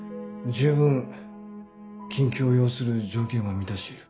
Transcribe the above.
十分緊急を要する条件は満たしている。